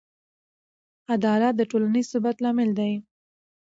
عدالت د ټولنیز ثبات لامل دی.